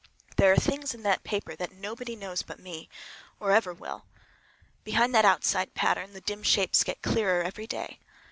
There are things in that paper that nobody knows but me, or ever will. Behind that outside pattern the dim shapes get clearer every day.